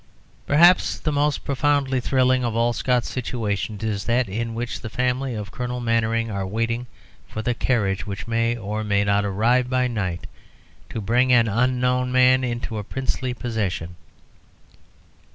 Perhaps the most profoundly thrilling of all Scott's situations is that in which the family of Colonel Mannering are waiting for the carriage which may or may not arrive by night to bring an unknown man into a princely possession.